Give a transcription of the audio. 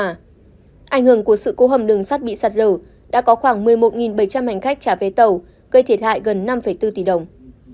ảnh hưởng của sự cố hầm đường sắt bị sạt lở đã có khoảng một mươi một bảy trăm linh hành khách trả vé tàu gây thiệt hại gần năm bốn tỷ đồng